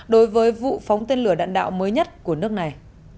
đối với vụ phóng tên lửa đạn đạo mới nhất của nước này